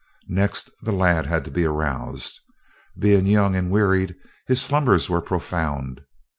Next the lad had to be aroused. Being young and wearied, his slumbers were profound.